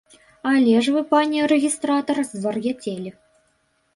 Але ж вы, пане рэгістратар, звар'яцелі.